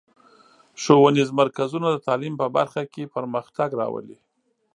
ښوونیز مرکزونه د تعلیم په برخه کې پرمختګ راولي.